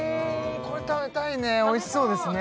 これ食べたいねおいしそうですね